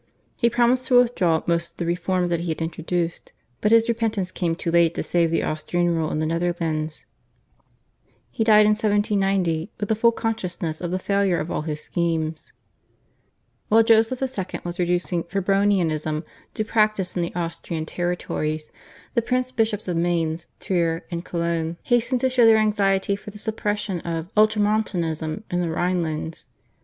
He promised to withdraw most of the reforms that he had introduced, but his repentance came too late to save the Austrian rule in the Netherlands. He died in 1790 with the full consciousness of the failure of all his schemes. While Joseph II. was reducing Febronianism to practice in the Austrian territories, the Prince bishops of Mainz, Trier, and Cologne hastened to show their anxiety for the suppression of ultramontanism in the Rhinelands.